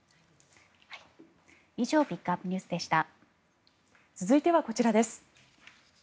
以上ピックアップＮＥＷＳでした。